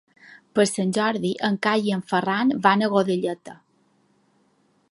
Per Sant Jordi en Cai i en Ferran van a Godelleta.